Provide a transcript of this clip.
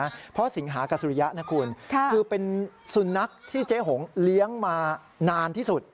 เพราะสิงหากับสุริยะนะคุณคือเป็นสุนัขที่เจ๊หงเลี้ยงมานานที่สุด